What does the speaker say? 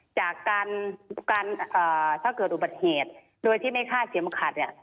จากการการอ่าถ้าเกิดอุบัติเหตุโดยที่ไม่ฆ่าเสียมขัดเนี้ย